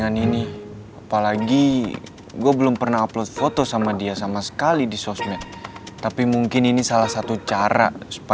apa salahnya sih kalo kamu gak upload juga